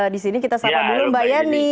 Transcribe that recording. di sini kita salam dulu mbak yeni